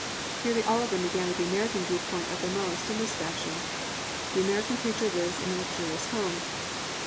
Nearly all of them began with the American view point uppermost, in this fashion: "The American preacher lives in a luxurious home."